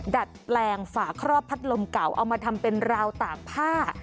ดัดแปลงฝาครอบพัดลมเก่าเอามาทำเป็นราวตากผ้า